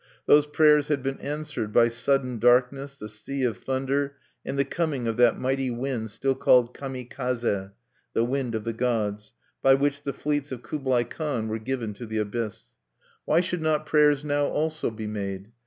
Those prayers had been answered by sudden darkness, a sea of thunder, and the coming of that mighty wind still called Kami kaze, "the Wind of the Gods," by which the fleets of Kublai Khan were given to the abyss. Why should not prayers now also be made?